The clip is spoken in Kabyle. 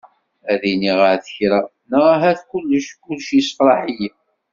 Ad iniɣ ahat kra! Neɣ ahat kulec, kulec yessefraḥ-iyi.